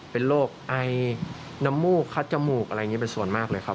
เป็นโรคไอน้ำมูกคัดจมูกอะไรอย่างนี้เป็นส่วนมากเลยครับ